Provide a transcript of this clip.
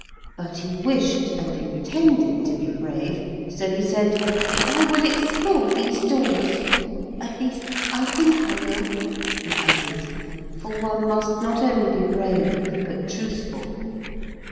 But he wished and intended to be brave, so he said, 'I will explore these doors. At least I think I will,' he added, for one must not only be brave but truthful.